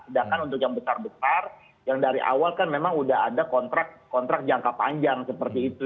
sedangkan untuk yang besar besar yang dari awal kan memang udah ada kontrak jangka panjang seperti itu